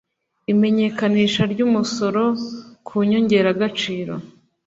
imenyekanisha ry umusoro ku nyongeragaciro